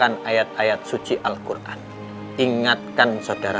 apalagi jika kita berada di jalan yang benar